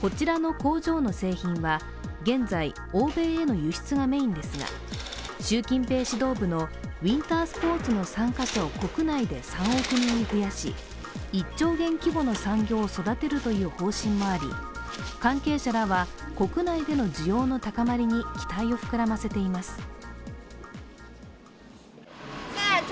こちらの工場の製品は現在、欧米への輸出がメーンですが習近平指導部のウインタースポーツの参加者を国内で３億人に増やし、１兆元規模の産業を育てるという方針もあり、関係者らは国内での需要の高まりに期待を膨らませています。